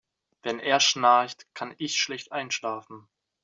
Wenn er schnarcht, kann ich schlecht einschlafen.